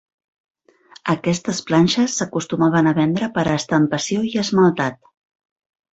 Aquestes planxes s'acostumaven a vendre per a estampació i esmaltat.